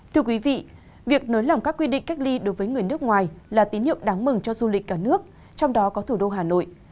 thưa quý vị việc nới lỏng các quy định cách ly đối với người nước ngoài là tín hiệu đáng mừng cho du lịch cả nước trong đó có thủ đô hà nội